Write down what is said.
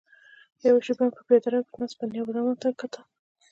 يوه شېبه يې په پياده رو کې ناستو بنيادمانو ته وکتل.